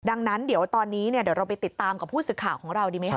ดังนั้นเดี๋ยวตอนนี้เดี๋ยวเราไปติดตามกับผู้สื่อข่าวของเราดีไหมค